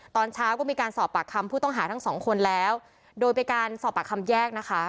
ตอนเช้าก็มีการสอบปากคำผู้ต้องหาทั้งสองคนแล้วโดยไปการสอบปากคำแยกนะคะ